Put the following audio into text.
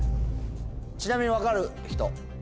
ちなみに分かる人。